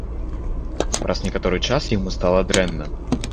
Праз некаторы час яму стала дрэнна.